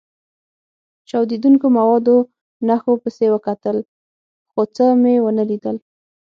چاودېدونکو موادو نښو پسې وکتل، خو څه مې و نه لیدل.